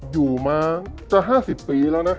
อยู่มาจะห้าสิบปีแล้วนะ